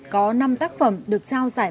có năm tác phẩm được trao giải